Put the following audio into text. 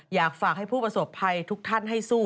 อยากฝากให้ผู้ประสบภัยทุกท่านให้สู้